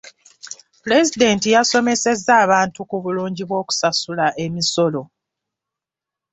Pulezidenti yasomesezza abantu ku bulungi bw'okusasula emisolo.